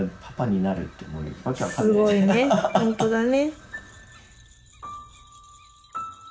本当だね。